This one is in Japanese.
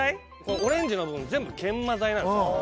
オレンジの部分全部研磨剤なんですよ。